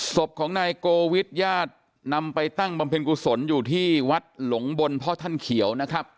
ศพของนายโกวิทญาตินำไปตั้งบำเพ็ญกุศลอยู่ที่วัดหลงบนพ่อท่านเขียวนะครับ